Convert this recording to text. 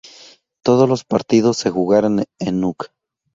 Todos los partidos se jugaron en Nuuk.